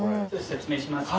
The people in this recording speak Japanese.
説明します。